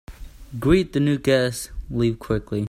Greet the new guests and leave quickly.